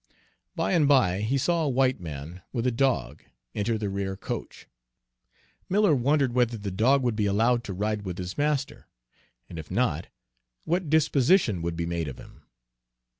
By and by he saw a white man, with a dog, enter the rear coach. Miller wondered whether the dog would be allowed to ride with his master, and if not, what disposition would be made of him.